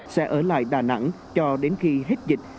sẽ ở lại đà nẵng cho đến khi hết dịch